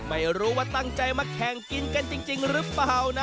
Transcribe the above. ไม่รู้ว่าตั้งใจมาแข่งกินกันจริงหรือเปล่านะ